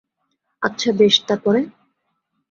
আচ্ছা, বেশ, তার পরে?